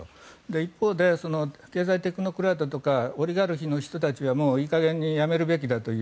一方で経済テクノクラートとかオリガルヒの人たちはもういい加減にやめるべきだという。